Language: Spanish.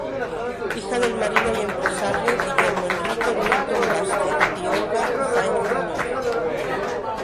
Hija del marino y empresario Guillermo Enrique Newton Vásquez y Olga Saenz Muñoz.